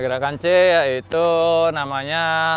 gerakan c yaitu namanya